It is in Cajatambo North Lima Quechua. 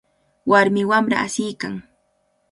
Warmi wamra asiykan.